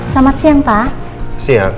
selamat siang pak